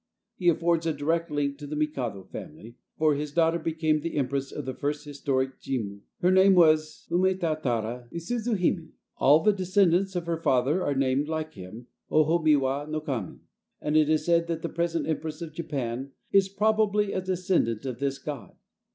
He affords a direct link with the Mikado family, for his daughter became the empress of the first historic emperor Jimmu. Her name was Humetatara Izudsuhime. All the descendants of her father are named, like him, Ohomiwa no Kami, and it is said that the present empress of Japan is probably a descendant of this god.